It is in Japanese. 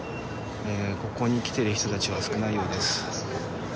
ここに来ている人たちは少ないようです。